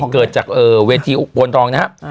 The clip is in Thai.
เกิดจากเวทีอุบลทองนะครับ